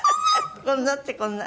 「こんな」ってこんな？